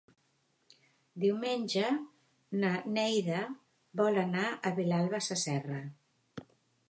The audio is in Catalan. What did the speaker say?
Diumenge na Neida vol anar a Vilalba Sasserra.